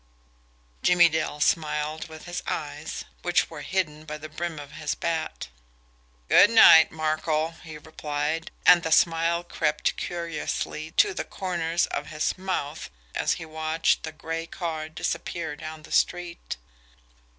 Jimmie Dale smiled with his eyes which were hidden by the brim of his hat. "Good night, Markel," he replied, and the smile crept curiously to the corners of his mouth as he watched the gray car disappear down the street.